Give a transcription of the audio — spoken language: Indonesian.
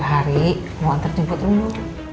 tiap hari mau antar jemput lu